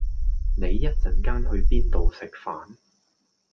你一陣間去邊度食飯？